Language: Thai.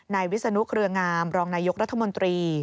วิศนุเครืองามรองนายกรัฐมนตรี